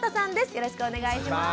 よろしくお願いします。